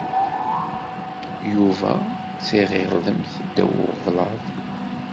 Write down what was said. Yufa tiɣirdemt ddaw ublaḍ.